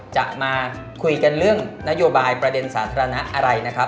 จะมาคุยกันเรื่องนโยบายประเด็นสาธารณะอะไรนะครับ